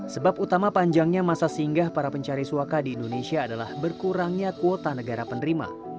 sebab utama panjangnya masa singgah para pencari suaka di indonesia adalah berkurangnya kuota negara penerima